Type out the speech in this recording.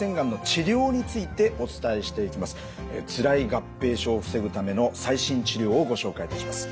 つらい合併症を防ぐための最新治療をご紹介いたします。